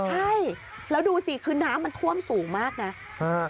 ใช่แล้วดูสิคือน้ำมันท่วมสูงมากนะ